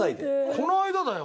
この間だよ。